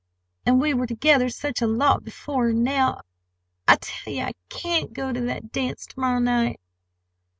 "And we were together such a lot before; and now—I tell you I can't go to that dance to morrow night!"